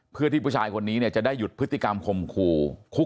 เพื่อที่ผู้ชายคนนี้จะได้หยุดพฤติกรรมข่มขู่คุก